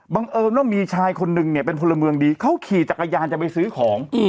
เอิญว่ามีชายคนนึงเนี่ยเป็นพลเมืองดีเขาขี่จักรยานจะไปซื้อของ